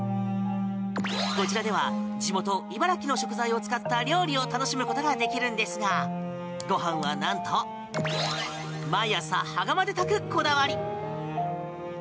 こちらでは地元・茨城の食材を使った料理を楽しむことができるんですがご飯は、なんと毎朝羽釜で炊くこだわり！